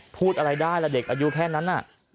พูดอะไรได้ล่ะเด็กอายุแค่นั้นน่ะ